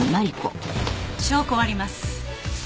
証拠はあります。